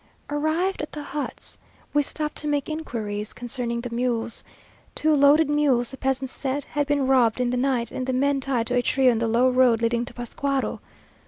Arrived at the huts, we stopped to make inquiries concerning the mules. Two loaded mules, the peasants said, had been robbed in the night, and the men tied to a tree on the low road leading to Pascuaro.